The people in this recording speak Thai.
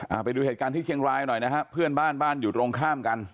เอาไปดูเหตุการณ์ที่เชียงรายหน่อยนะฮะเพื่อนบ้านบ้านอยู่ตรงข้ามกัน